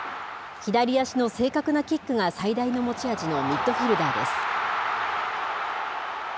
左足の正確なキックが最大の持ち味のミッドフィールダーです。